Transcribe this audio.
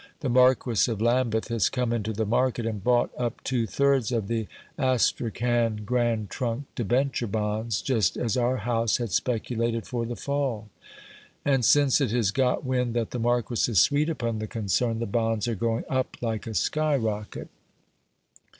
The Marquis of Lambeth has come into the market and bought up two thirds of the Astrakhan Grand Trunk debenture bonds, just as our house had speculated for the fall. And since it has got wind that the Marquis is sweet upon the concern, the bonds are going up like a skyrocket.